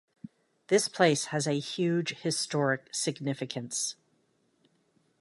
This place has a huge historic significance.